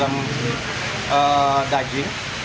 lima ratus gram daging